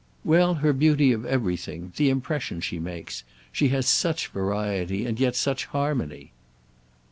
"Well, her beauty of everything. The impression she makes. She has such variety and yet such harmony."